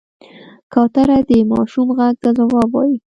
کوتره د ماشوم غږ ته ځواب وايي.